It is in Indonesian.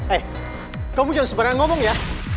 eh kamu jangan sebarang ngomong ya